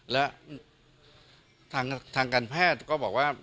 และทางการแพทย์ก็บอกว่า